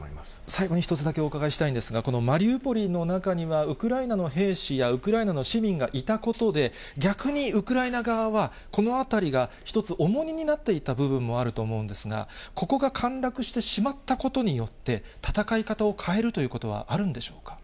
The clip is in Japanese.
最後に１つだけお伺いしたいんですが、このマリウポリの中には、ウクライナの兵士やウクライナの市民がいたことで、逆に、ウクライナ側はこのあたりが一つ重荷になっていた部分もあると思うんですが、ここが陥落してしまったことによって、戦い方を変えるということはあるんでしょうか。